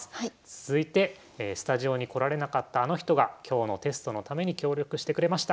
続いてスタジオに来られなかったあの人が今日のテストのために協力してくれました。